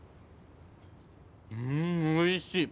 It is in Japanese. うんおいしい！